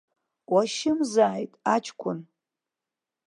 Уашьымзааит, аҷкәын.